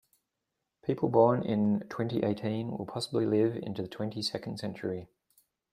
People born in twenty-eighteen will possibly live into the twenty-second century.